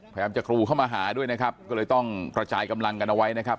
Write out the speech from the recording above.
พยายามจะกรูเข้ามาหาด้วยนะครับก็เลยต้องกระจายกำลังกันเอาไว้นะครับ